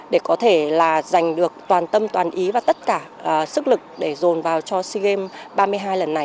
để có thể là giành được toàn tâm toàn ý và tất cả sức lực để dồn vào cho sea games ba mươi hai lần này